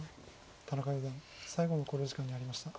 田中四段最後の考慮時間に入りました。